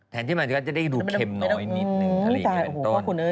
แทนที่มันก็จะได้ดูเข็มน้อยนิดอะไรอย่างนี้เป็นต้น